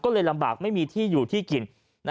ก็เลยลำบากไม่มีที่อยู่ที่กิน